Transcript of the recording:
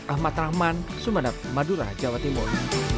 ahmad rahman sumeneb madura jawa timur